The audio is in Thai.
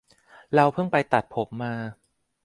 เราเพิ่งไปตัดผมมา